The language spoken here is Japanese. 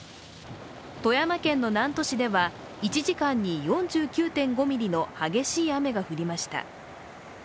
富山県の南砺市では１時間に４９．５ミリの激しい雨が降りました。